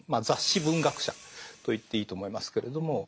雑誌文学者と言っていいと思いますけれども。